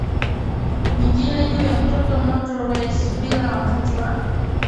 nyingine juu ya motorways bila wakati wa